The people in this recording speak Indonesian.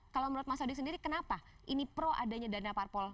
kalau menurut mas adi sendiri kenapa ini pro adanya dana parpol